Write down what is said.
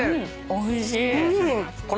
おいしい！